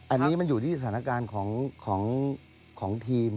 อันนี้มันอยู่ที่สถานการณ์ของทีม